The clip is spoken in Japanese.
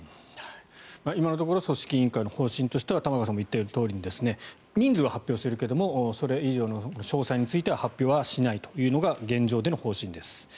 今のところ組織委員会の方針としては玉川さんも言ったとおり人数は発表するけどもそれ以上の詳細については発表しないというのが現状での方針です。